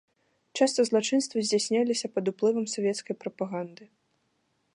Часта злачынствы здзяйсняліся пад уплывам савецкай прапаганды.